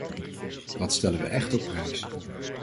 Dat stellen we echt op prijs.